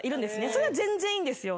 それは全然いいんですよ。